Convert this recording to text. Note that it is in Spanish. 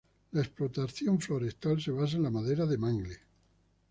La explotación forestal se basa en la madera de mangle.